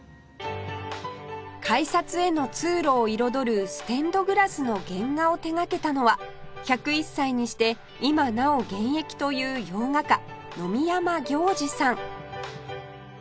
改札への通路を彩るステンドグラスの原画を手がけたのは１０１歳にして今なお現役という洋画家野見山曉治さん